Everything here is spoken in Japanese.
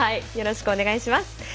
よろしくお願いします。